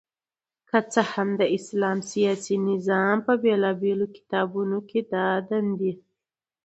که څه هم د اسلام سياسي نظام په بيلابېلو کتابونو کي دا دندي